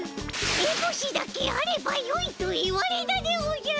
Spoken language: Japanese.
エボシだけあればよいと言われたでおじゃる。